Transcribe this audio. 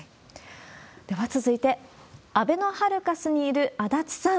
では続いて、あべのハルカスにいる足立さん。